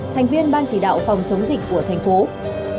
thành viên ban chỉ đạo phòng chống dịch của tp hcm